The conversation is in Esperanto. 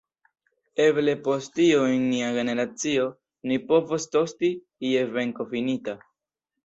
Eble post tio en nia generacio ni povos tosti je venko finita.